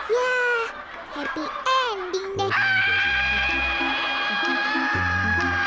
yah happy ending deh